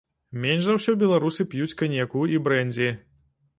Менш за ўсё беларусы п'юць каньяку і брэндзі.